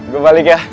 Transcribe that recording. gue balik ya